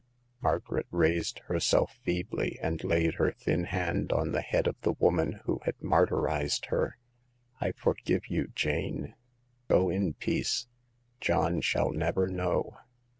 Margaret raised herself feebly, and laid her thin hand on the head of the woman who had martyrized her. " I forgive you, Jane. Go in peace. John shall never know."